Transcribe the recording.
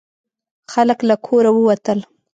خلک له کوره ووتل.